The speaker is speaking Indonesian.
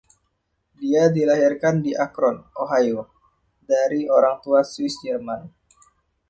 Dia dilahirkan di Akron, Ohio, dari orang tua Swiss-Jerman.